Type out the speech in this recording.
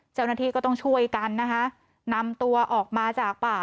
เจ้าหน้าที่ก็ต้องช่วยกันนะคะนำตัวออกมาจากป่า